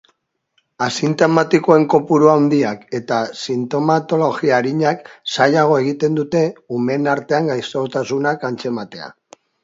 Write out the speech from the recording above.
Asintomatikoen kopuru handiak eta sintomatologia arinak zailagoa egiten dute umeen artean gaixotasuna atzematea.